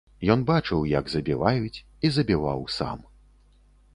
Ён бачыў, як забіваюць і забіваў сам.